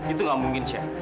itu nggak mungkin cik